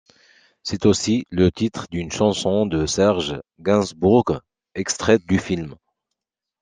C'est aussi le titre d'une chanson de Serge Gainsbourg extraite du film.